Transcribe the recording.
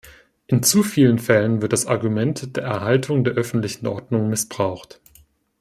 In zu vielen Fällen wird das Argument der Erhaltung der öffentlichen Ordnung missbraucht.